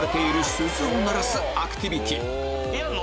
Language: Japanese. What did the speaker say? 鈴を鳴らすアクティビティーやんの？